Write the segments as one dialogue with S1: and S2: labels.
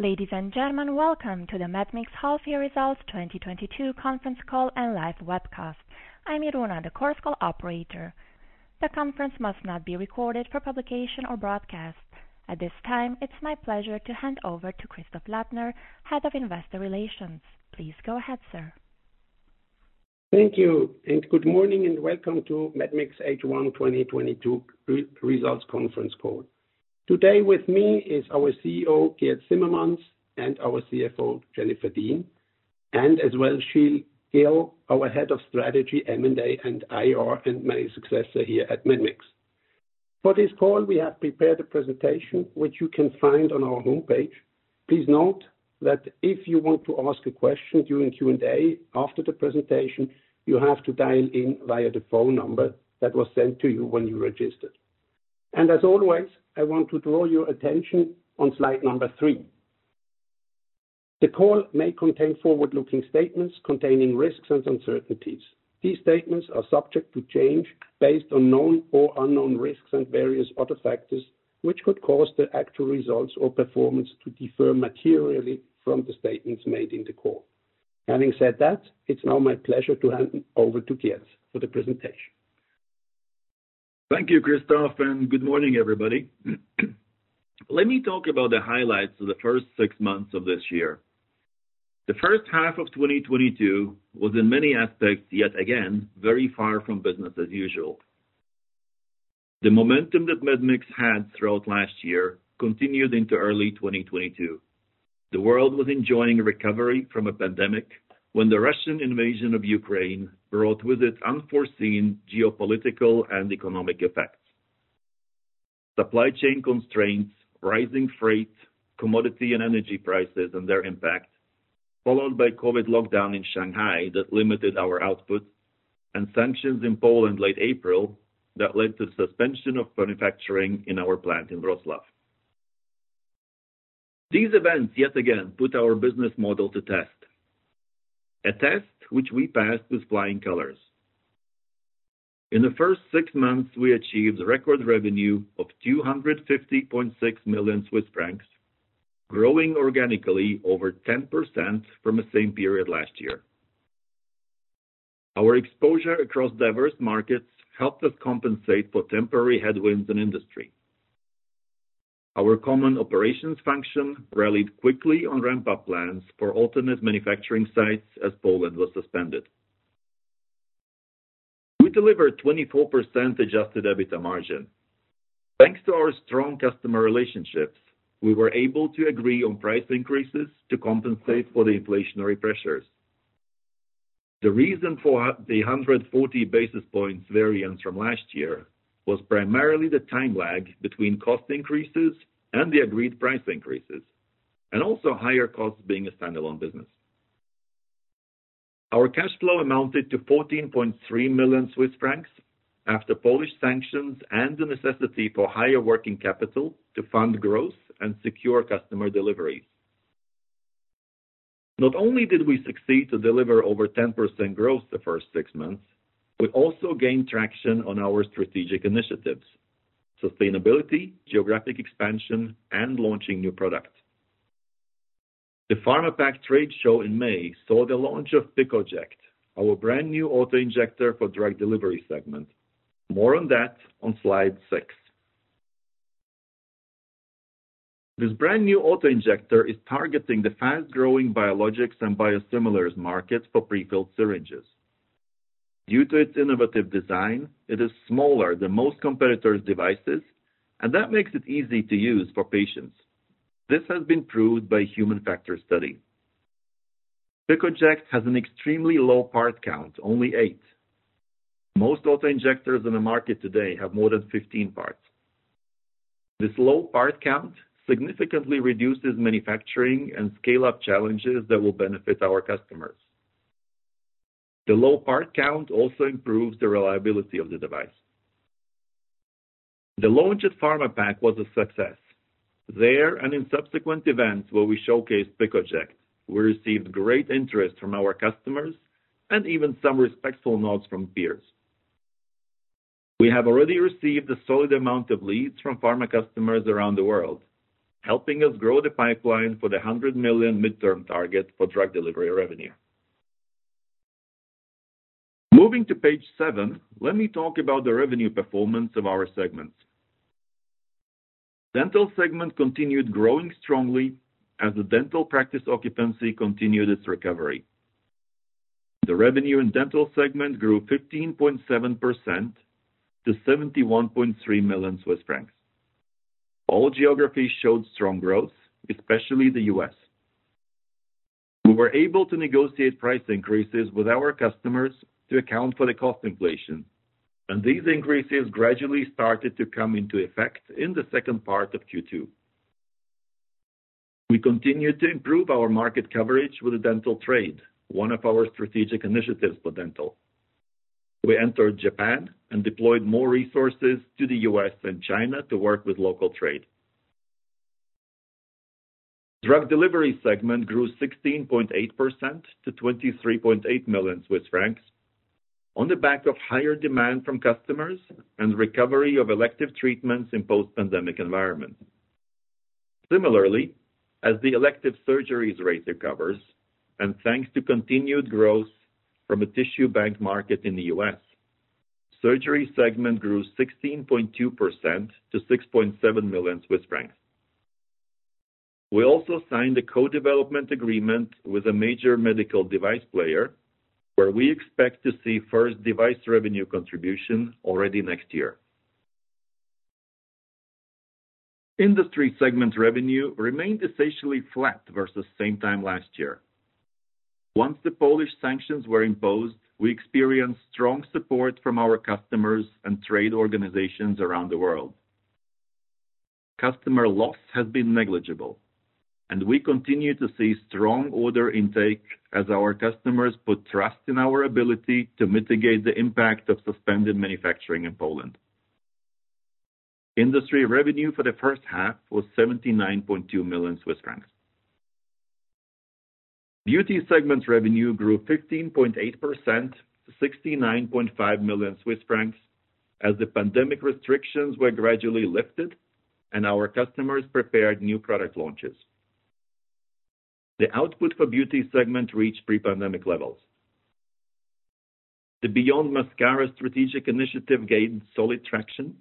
S1: Ladies and gentlemen, welcome to the Medmix half year results 2022 conference call and live webcast. I'm Iruna, the Chorus Call operator. The conference must not be recorded for publication or broadcast. At this time, it's my pleasure to hand over to Christoph Lautner, Head of Investor Relations. Please go ahead, sir.
S2: Thank you, and good morning, and welcome to Medmix H1 2022 results conference call. Today with me is our CEO, Girts Cimermans, and our CFO, Jennifer Dean, and as well, Sheel Gill, our Head of Strategy, M&A, and IR, and my successor here at Medmix. For this call, we have prepared a presentation which you can find on our homepage. Please note that if you want to ask a question during Q&A after the presentation, you have to dial in via the phone number that was sent to you when you registered. As always, I want to draw your attention on slide number three. The call may contain forward-looking statements containing risks and uncertainties. These statements are subject to change based on known or unknown risks and various other factors, which could cause the actual results or performance to differ materially from the statements made in the call. Having said that, it's now my pleasure to hand over to Girts Cimermans for the presentation.
S3: Thank you, Christoph, and good morning, everybody. Let me talk about the highlights of the first six months of this year. The first half of 2022 was in many aspects yet again very far from business as usual. The momentum that Medmix had throughout last year continued into early 2022. The world was enjoying a recovery from a pandemic when the Russian invasion of Ukraine brought with it unforeseen geopolitical and economic effects. Supply chain constraints, rising freight, commodity and energy prices and their impact, followed by COVID lockdown in Shanghai that limited our output and sanctions in Poland late April that led to suspension of manufacturing in our plant in Wrocław. These events yet again put our business model to test. A test which we passed with flying colors. In the first six months, we achieved record revenue of 250.6 million Swiss francs, growing organically over 10% from the same period last year. Our exposure across diverse markets helped us compensate for temporary headwinds in industry. Our common operations function rallied quickly on ramp-up plans for alternate manufacturing sites as Poland was suspended. We delivered 24% adjusted EBITDA margin. Thanks to our strong customer relationships, we were able to agree on price increases to compensate for the inflationary pressures. The reason for the 140 basis points variance from last year was primarily the time lag between cost increases and the agreed price increases, and also higher costs being a standalone business. Our cash flow amounted to 14.3 million Swiss francs after Polish sanctions and the necessity for higher working capital to fund growth and secure customer deliveries. Not only did we succeed to deliver over 10% growth the first six months, we also gained traction on our strategic initiatives, sustainability, geographic expansion, and launching new products. The Pharmapack trade show in May saw the launch of PiccoJect, our brand new auto-injector for Drug Delivery segment. More on that on slide six. This brand new auto-injector is targeting the fast-growing biologics and biosimilars markets for prefilled syringes. Due to its innovative design, it is smaller than most competitors' devices, and that makes it easy to use for patients. This has been proved by human factors study. PiccoJect has an extremely low part count, only eight. Most auto-injectors in the market today have more than 15 parts. This low part count significantly reduces manufacturing and scale-up challenges that will benefit our customers. The low part count also improves the reliability of the device. The launch at Pharmapack was a success. There and in subsequent events where we showcased PiccoJect, we received great interest from our customers and even some respectful nods from peers. We have already received a solid amount of leads from pharma customers around the world, helping us grow the pipeline for the 100 million midterm target for Drug Delivery revenue. Moving to page seven, let me talk about the revenue performance of our segments. Dental segment continued growing strongly as the dental practice occupancy continued its recovery. The revenue in Dental segment grew 15.7% to 71.3 million Swiss francs. All geographies showed strong growth, especially the U.S. We were able to negotiate price increases with our customers to account for the cost inflation, and these increases gradually started to come into effect in the second part of Q2. We continued to improve our market coverage with the Dental trade, one of our strategic initiatives for Dental. We entered Japan and deployed more resources to the U.S. and China to work with local trade. Drug Delivery segment grew 16.8% to 23.8 million Swiss francs. On the back of higher demand from customers and recovery of elective treatments in post-pandemic environment. Similarly, as the elective surgeries rate recovers, and thanks to continued growth from a tissue bank market in the U.S., Surgery segment grew 16.2% to 6.7 million Swiss francs. We also signed a co-development agreement with a major medical device player, where we expect to see first device revenue contribution already next year. Industry segment revenue remained essentially flat versus same time last year. Once the Polish sanctions were imposed, we experienced strong support from our customers and trade organizations around the world. Customer loss has been negligible, and we continue to see strong order intake as our customers put trust in our ability to mitigate the impact of suspended manufacturing in Poland. Industry revenue for the first half was 79.2 million Swiss francs. Beauty segment revenue grew 15.8% to 69.5 million Swiss francs as the pandemic restrictions were gradually lifted and our customers prepared new product launches. The output for Beauty segment reached pre-pandemic levels. The Beyond Mascara strategic initiative gained solid traction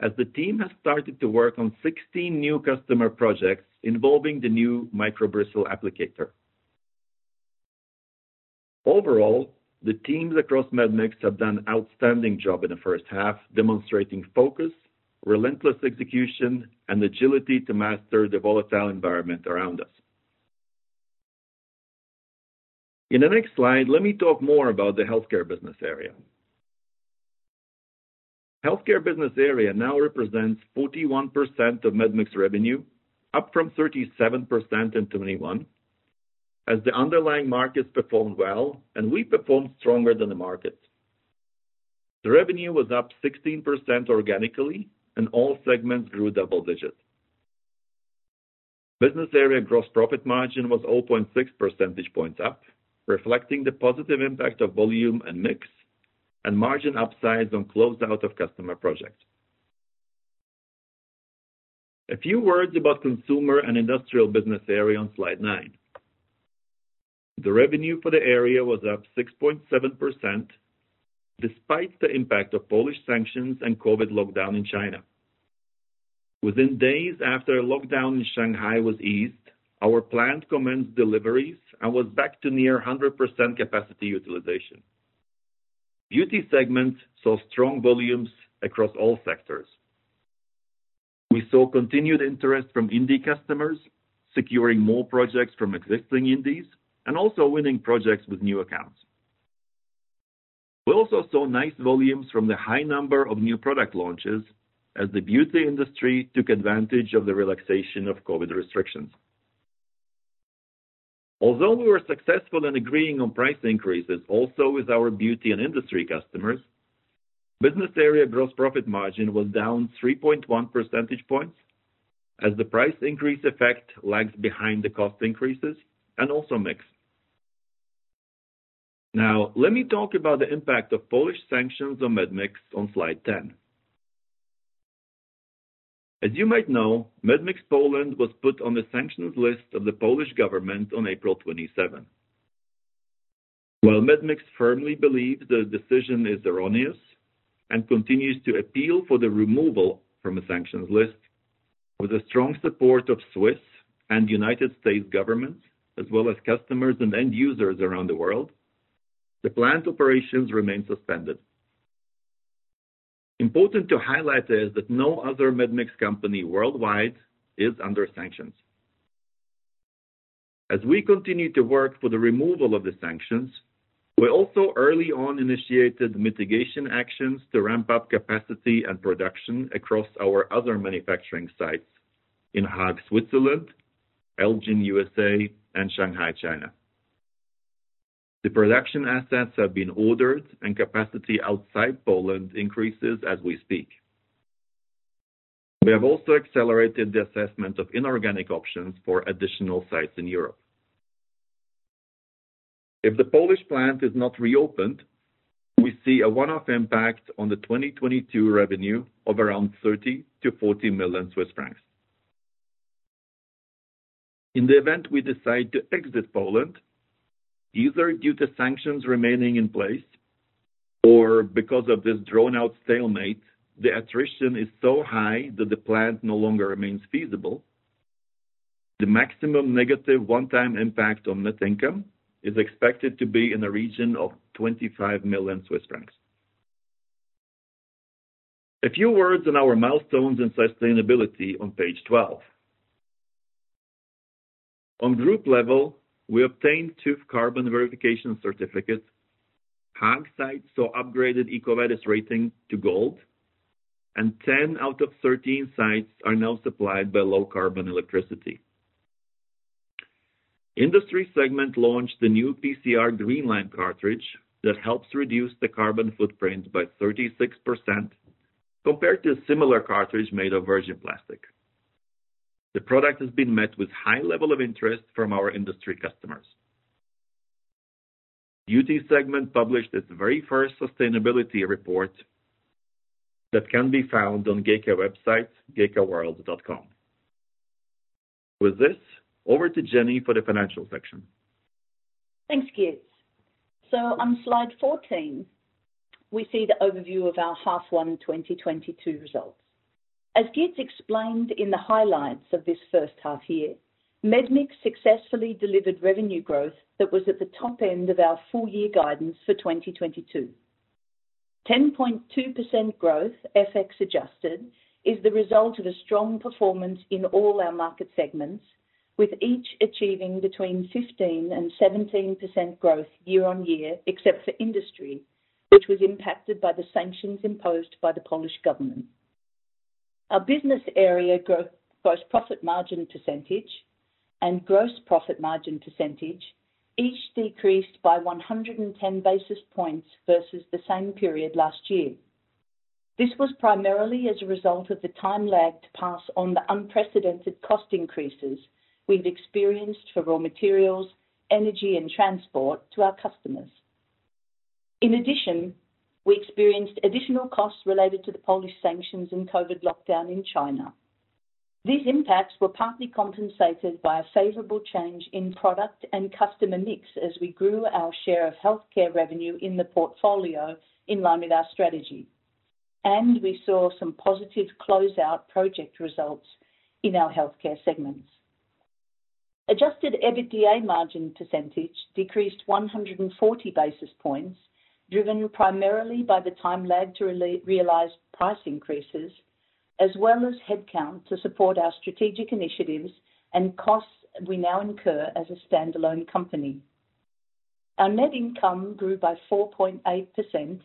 S3: as the team has started to work on 16 new customer projects involving the new Micro Bristle Applicator. Overall, the teams across Medmix have done outstanding job in the first half, demonstrating focus, relentless execution, and agility to master the volatile environment around us. In the next slide, let me talk more about the Healthcare business area. Healthcare business area now represents 41% of Medmix revenue, up from 37% in 2021 as the underlying markets performed well and we performed stronger than the markets. The revenue was up 16% organically, and all segments grew double digits. Business area gross profit margin was 0.6 percentage points up, reflecting the positive impact of volume and mix, and margin upsides on closed out of customer projects. A few words about consumer and industrial business area on slide nine. The revenue for the area was up 6.7% despite the impact of Polish sanctions and COVID lockdown in China. Within days after lockdown in Shanghai was eased, our plant commenced deliveries and was back to near 100% capacity utilization. Beauty segment saw strong volumes across all sectors. We saw continued interest from indie customers, securing more projects from existing indies and also winning projects with new accounts. We also saw nice volumes from the high number of new product launches as the beauty industry took advantage of the relaxation of COVID restrictions. Although we were successful in agreeing on price increases, also with our Beauty and Industry customers, business area gross profit margin was down 3.1 percentage points as the price increase effect lags behind the cost increases and also mix. Now, let me talk about the impact of Polish sanctions on Medmix on slide 10. As you might know, Medmix Poland was put on the sanctions list of the Polish government on April 27th. While Medmix firmly believes the decision is erroneous and continues to appeal for the removal from the sanctions list, with the strong support of Swiss and United States governments, as well as customers and end users around the world, the plant operations remain suspended. Important to highlight is that no other Medmix company worldwide is under sanctions. As we continue to work for the removal of the sanctions, we also early on initiated mitigation actions to ramp up capacity and production across our other manufacturing sites in Haag, Switzerland, Elgin, U.S.A., and Shanghai, China. The production assets have been ordered and capacity outside Poland increases as we speak. We have also accelerated the assessment of inorganic options for additional sites in Europe. If the Polish plant is not reopened, we see a one-off impact on the 2022 revenue of around 30 million-40 million Swiss francs. In the event we decide to exit Poland, either due to sanctions remaining in place or because of this drawn-out stalemate, the attrition is so high that the plant no longer remains feasible. The maximum negative one-time impact on net income is expected to be in the region of 25 million Swiss francs. A few words on our milestones and sustainability on page 12. On group level, we obtained two carbon verification certificates. Haag site saw upgraded EcoVadis rating to gold and 10 out of 13 sites are now supplied by low carbon electricity. Industry segment launched the new MIXPAC greenLine cartridge that helps reduce the carbon footprint by 36% compared to a similar cartridge made of virgin plastic. The product has been met with high level of interest from our industry customers. Beauty segment published its very first sustainability report that can be found on GEKA website, geka-world.com. With this, over to Jennifer for the financial section.
S4: Thanks, Girts. On slide 14, we see the overview of our H1 2022 results. As Girts explained in the highlights of this first half year, Medmix successfully delivered revenue growth that was at the top end of our full-year guidance for 2022. 10.2% growth, FX-adjusted, is the result of a strong performance in all our market segments, with each achieving between 15% and 17% growth year-on-year, except for Industry, which was impacted by the sanctions imposed by the Polish government. Our gross profit margin percentage decreased by 110 basis points versus the same period last year. This was primarily as a result of the time lag to pass on the unprecedented cost increases we've experienced for raw materials, energy and transport to our customers. In addition, we experienced additional costs related to the Polish sanctions and COVID lockdown in China. These impacts were partly compensated by a favorable change in product and customer mix as we grew our share of Healthcare revenue in the portfolio in line with our strategy, and we saw some positive closeout project results in our Healthcare segments. Adjusted EBITDA margin percentage decreased 140 basis points, driven primarily by the time lag to realize price increases, as well as headcount to support our strategic initiatives and costs we now incur as a standalone company. Our net income grew by 4.8%,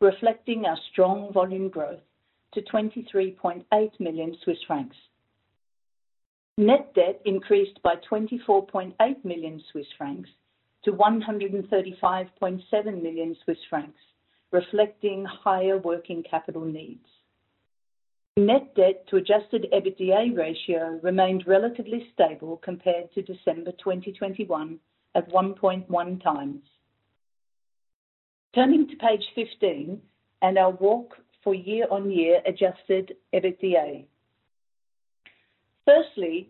S4: reflecting our strong volume growth to 23.8 million Swiss francs. Net debt increased by 24.8 million Swiss francs to 135.7 million Swiss francs, reflecting higher working capital needs. Net debt to adjusted EBITDA ratio remained relatively stable compared to December 2021 at 1.1x. Turning to page 15 and our walk for year-on-year adjusted EBITDA. Firstly,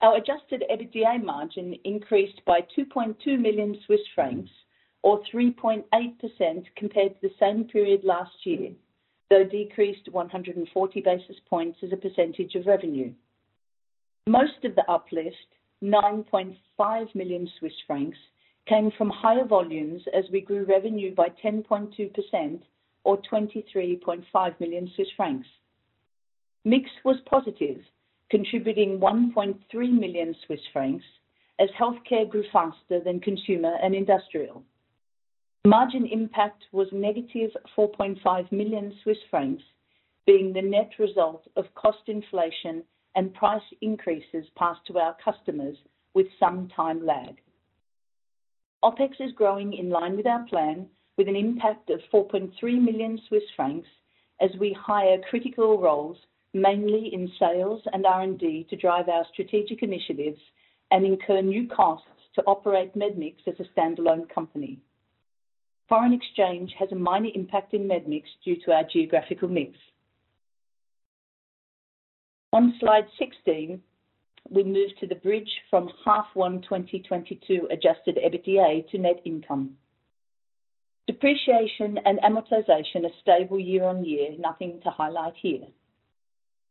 S4: our adjusted EBITDA margin increased by 2.2 million Swiss francs or 3.8% compared to the same period last year, though decreased 140 basis points as a percentage of revenue. Most of the uplift, 9.5 million Swiss francs, came from higher volumes as we grew revenue by 10.2% or 23.5 million Swiss francs. Mix was positive, contributing 1.3 million Swiss francs as healthcare grew faster than consumer and industrial. Margin impact was negative 4.5 million Swiss francs, being the net result of cost inflation and price increases passed to our customers with some time lag. OpEx is growing in line with our plan with an impact of 4.3 million Swiss francs as we hire critical roles, mainly in sales and R&D, to drive our strategic initiatives and incur new costs to operate Medmix as a standalone company. Foreign exchange has a minor impact in Medmix due to our geographical mix. On slide 16, we move to the bridge from H1 2022 adjusted EBITDA to net income. Depreciation and amortization are stable year-on-year. Nothing to highlight here.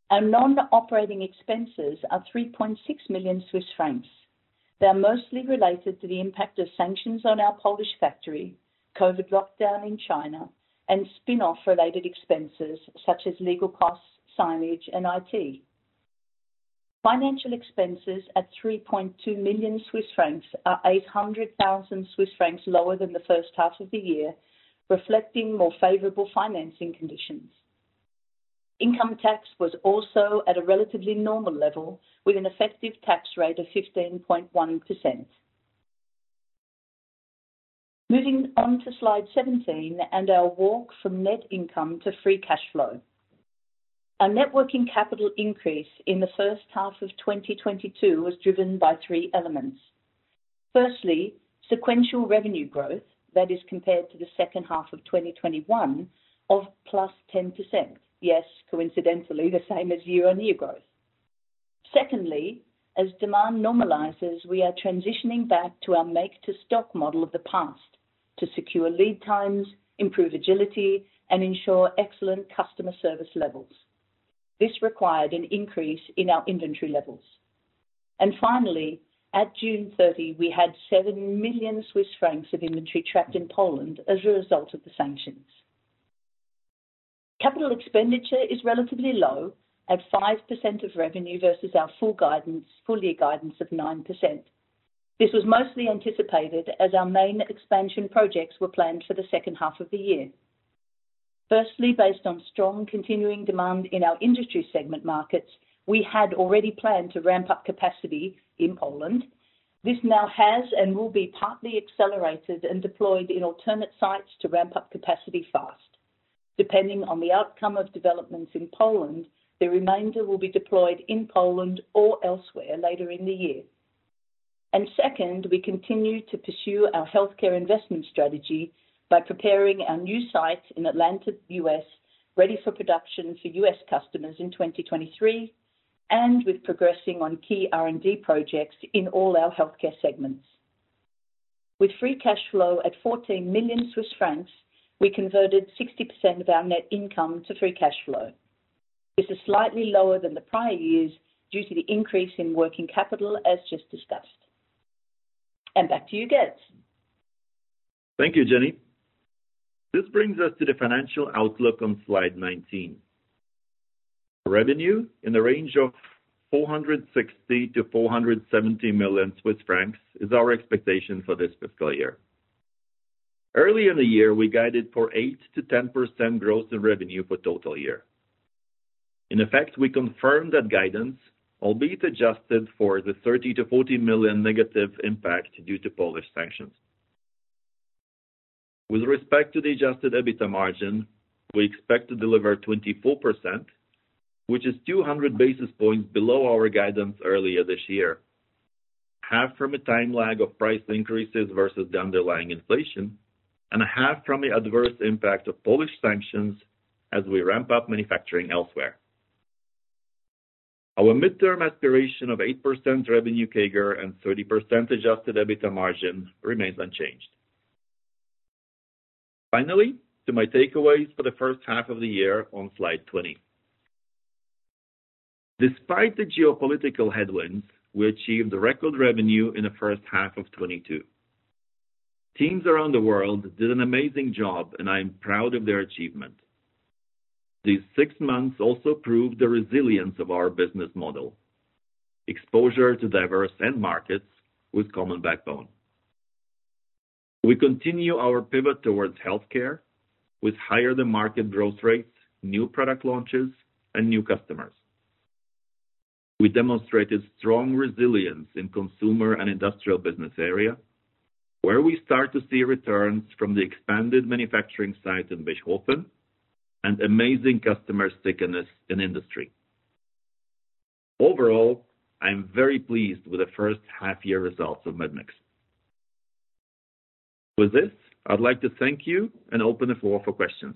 S4: Our non-operating expenses are 3.6 million Swiss francs. They are mostly related to the impact of sanctions on our Polish factory, COVID lockdown in China, and spin-off related expenses such as legal costs, signage, and IT. Financial expenses at 3.2 million Swiss francs are 800,000 Swiss francs lower than the first half of the year, reflecting more favorable financing conditions. Income tax was also at a relatively normal level, with an effective tax rate of 15.1%. Moving on to slide 17 and our walk from net income to free cash flow. Our net working capital increase in the first half of 2022 was driven by three elements. Firstly, sequential revenue growth, that is compared to the second half of 2021 of +10%. Yes, coincidentally, the same as year-on-year growth. Secondly, as demand normalizes, we are transitioning back to our make to stock model of the past to secure lead times, improve agility, and ensure excellent customer service levels. This required an increase in our inventory levels. Finally, at June 30, we had 7 million Swiss francs of inventory trapped in Poland as a result of the sanctions. Capital expenditure is relatively low at 5% of revenue versus our full guidance, full year guidance of 9%. This was mostly anticipated as our main expansion projects were planned for the second half of the year. Firstly, based on strong continuing demand in our Industry segment markets, we had already planned to ramp up capacity in Poland. This now has and will be partly accelerated and deployed in alternate sites to ramp up capacity fast. Depending on the outcome of developments in Poland, the remainder will be deployed in Poland or elsewhere later in the year. Second, we continue to pursue our healthcare investment strategy by preparing our new site in Atlanta, U.S., ready for production for U.S. customers in 2023 and with progressing on key R&D projects in all our Healthcare segments. With free cash flow at 14 million Swiss francs, we converted 60% of our net income to free cash flow. This is slightly lower than the prior years due to the increase in working capital, as just discussed. Back to you, Girts.
S3: Thank you, Jenny. This brings us to the financial outlook on slide 19. Revenue in the range of 460 million-470 million Swiss francs is our expectation for this fiscal year. Early in the year, we guided for 8%-10% growth in revenue for total year. In effect, we confirm that guidance, albeit adjusted for the 30 million-40 million negative impact due to Polish sanctions. With respect to the adjusted EBITDA margin, we expect to deliver 24%, which is 200 basis points below our guidance earlier this year. Half from a time lag of price increases versus the underlying inflation, and half from the adverse impact of Polish sanctions as we ramp up manufacturing elsewhere. Our midterm aspiration of 8% revenue CAGR and 30% adjusted EBITDA margin remains unchanged. Finally, to my takeaways for the first half of the year on slide 20. Despite the geopolitical headwinds, we achieved a record revenue in the first half of 2022. Teams around the world did an amazing job, and I am proud of their achievement. These six months also proved the resilience of our business model, exposure to diverse end markets with common backbone. We continue our pivot towards healthcare with higher-than-market growth rates, new product launches, and new customers. We demonstrated strong resilience in consumer and industrial business area, where we start to see returns from the expanded manufacturing site in Bechhofen and amazing customer stickiness in industry. Overall, I'm very pleased with the first half year results of Medmix. With this, I'd like to thank you and open the floor for questions.